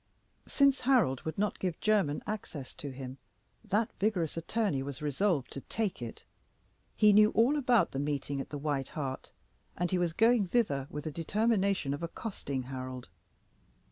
Since Harold would not give Jermyn access to him, that vigorous attorney was resolved to take it. He knew all about the meeting at the White Hart, and he was going thither with the determination of accosting Harold.